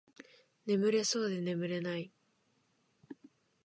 眠れそうで眠れない